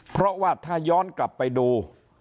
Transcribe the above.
เพราะว่าถ้าย้อนกลับไปดู